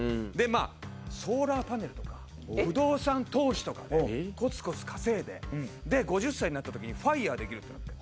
まあソーラーパネルとか不動産投資とかでコツコツ稼いで５０歳になった時にＦＩＲＥできるってなって。